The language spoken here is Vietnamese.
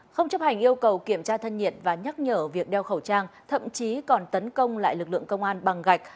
không chấp hành yêu cầu kiểm tra thân nhiệt và nhắc nhở việc đeo khẩu trang thậm chí còn tấn công lại lực lượng công an bằng gạch